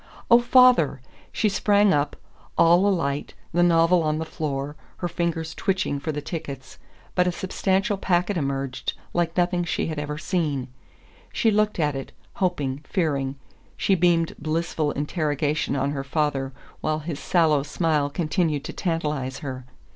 "Oh, father!" She sprang up, all alight, the novel on the floor, her fingers twitching for the tickets. But a substantial packet emerged, like nothing she had ever seen. She looked at it, hoping, fearing she beamed blissful interrogation on her father while his sallow smile continued to tantalize her.